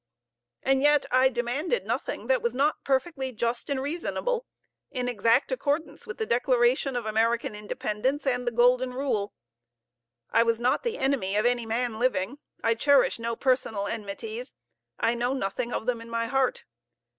And yet I demanded nothing that was not perfectly just and reasonable, in exact accordance with the Declaration of American Independence and the Golden Rule. I was not the enemy of any man living. I cherish no personal enmities; I know nothing of them in my heart.